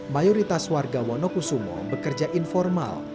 mayoritas warga wonokusumo bekerja informal